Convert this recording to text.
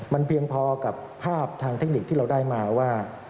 มันเพียงพอกับภาพทางเทคนิคที่เราได้มาว่า